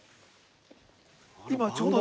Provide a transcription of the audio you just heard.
今ちょうど。